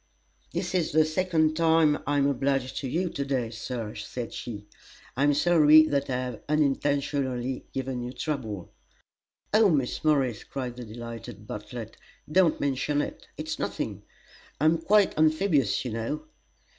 "This is the second time I am obliged to you to day, Sir," said she. "I am sorry that I have unintentionally given you trouble." "Oh, Miss Morris," cried the delighted Bartlett, "don't mention it! It's nothing; I am quite amphibious, you know."